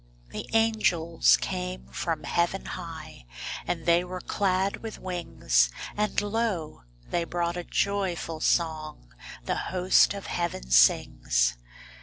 The angels came from heaven high, And they were clad with wings; And lo, they brought a joyful song The host of heaven sings.